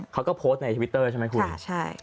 เขาก็โพสต์ในทวิตเตอร์ใช่ไหมคุณใช่